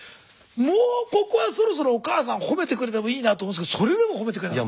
もうここはそろそろお母さん褒めてくれてもいいなと思うんですけどそれでも褒めてくれなかった？